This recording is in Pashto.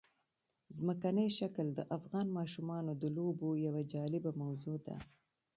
ځمکنی شکل د افغان ماشومانو د لوبو یوه جالبه موضوع ده.